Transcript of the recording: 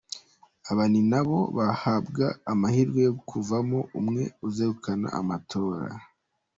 Aba ni na bo bahabwa amahirwa yo kuvamo umwe uzegukana amatora.